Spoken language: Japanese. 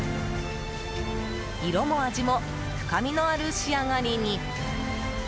色も味も深みのある仕上がりに。